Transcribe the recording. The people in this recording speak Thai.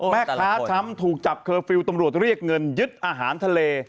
แม่ค้าช้ำถูกจับเคอร์ฟิลล์ตำรวจเรียกเงินยึดอาหารทะเล